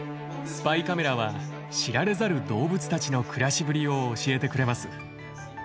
スパイカメラは知られざる動物たちの暮らしぶりを教えてくれます。